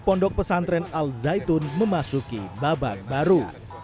pondok pesantren al zaitun memasuki babak baru